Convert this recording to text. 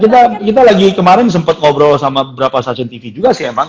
kita lagi kemarin sempat ngobrol sama beberapa stasiun tv juga sih emang